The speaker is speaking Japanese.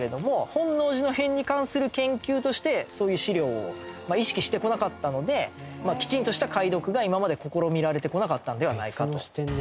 本能寺の変に関する研究としてそういう史料を意識してこなかったのできちんとした解読が今まで試みられてこなかったのではないかと。